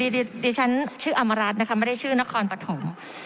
ดิฉันชื่ออมรัฐนะคะไม่ได้ชื่อนครปฐม